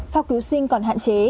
phạm cứu sinh còn hạn chế